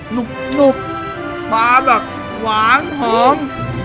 หนุบความแบบหวานหอม